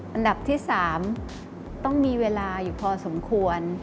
อันดับที่๓ต้องมีเวลาอยู่พอสมควร